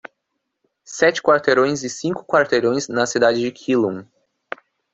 Sete quarteirões e cinco quarteirões na cidade de Keelung